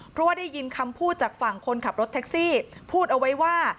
เพราะว่าได้ยินคำพูดจากฝั่งคนขับรถแท็กซี่พูดเอาไว้ว่า